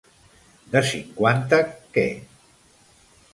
De cinquanta que.